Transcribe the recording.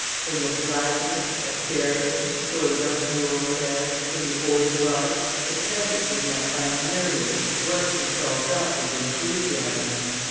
In the Palatinate, at Bergen, Fulda, Nuremberg, in the Odenwald, the peasantry met by myriads and worked themselves up into enthusiasm.